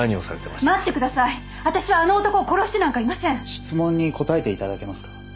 質問に答えて頂けますか？